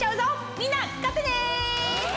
みんな買ってね！